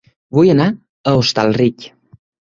Vull anar a Hostalric